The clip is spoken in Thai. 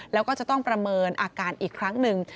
แล้วก็จะต้องประเมินอาการอีกครั้งหนึ่ง